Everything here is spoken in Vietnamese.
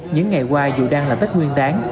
những ngày qua dù đang là tết nguyên đáng